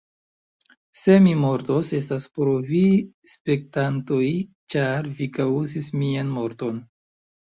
Se mi mortos, estas pro vi spektantoj, ĉar vi kaŭzis mian morton.